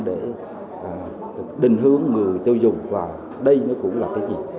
để định hướng người tiêu dùng và đây cũng là cái gì